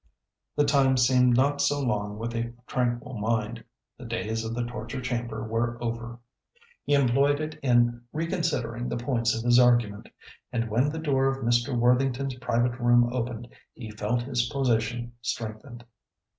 The time seemed not so long with a tranquil mind. The days of the torture chamber were over. He employed it in re considering the points of his argument, and when the door of Mr. Worthington's private room opened, he felt his position strengthened.